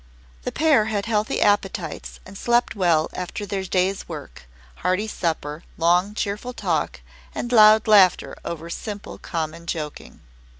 The pair had healthy appetites and slept well after their day's work, hearty supper, long cheerful talk, and loud laughter over simple common joking.